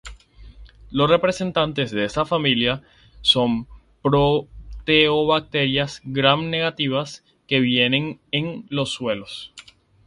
Los representantes de esta familia son proteobacterias Gram-negativas que viven en los suelos.